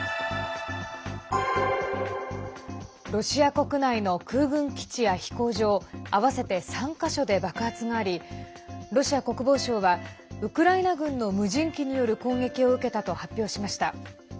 ロシア国内の空軍基地や飛行場合わせて３か所で爆発がありロシア国防省はウクライナ軍の無人機による攻撃を受けたと発表しました。